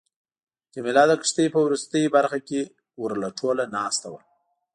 جميله د کښتۍ په وروستۍ برخه کې ورله ټوله ناسته وه.